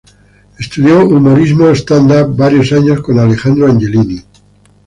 Estudió humorismo stand up varios años con Alejandro Angelini.